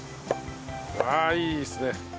ああいいですね。